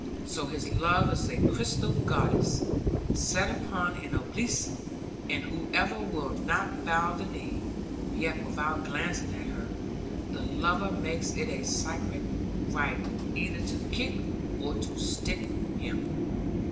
So his love is a crystal Goddess, set upon an obelisk; and whoever will not bow the knee (yet without glancing at her), the lover makes it a sacred rite either to kick or to stick him.